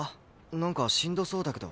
なんかしんどそうだけど。